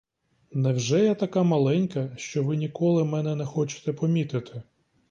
Невже я така маленька, що ви ніколи мене не хочете помітити?